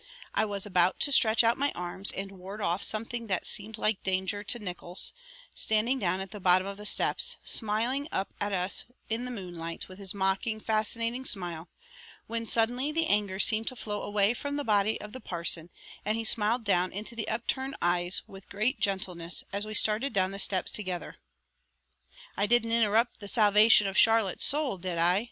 I was about to stretch out my arms and ward off something that seemed like danger to Nickols, standing down at the bottom of the steps, smiling up at us in the moonlight with his mocking, fascinating smile, when suddenly the anger seemed to flow away from the body of the parson and he smiled down into the upturned eyes with great gentleness as we started down the steps together. "I didn't interrupt the salvation of Charlotte's soul, did I?"